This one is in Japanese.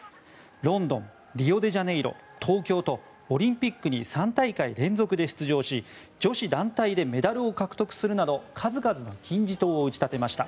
ロンドンリオデジャネイロ、東京とオリンピックに３大会連続で出場し女子団体でメダルを獲得するなど数々の金字塔を打ち立てました。